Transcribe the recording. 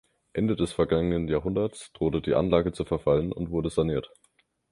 Ende des vergangenen Jahrhunderts drohte die Anlage zu verfallen und wurde saniert.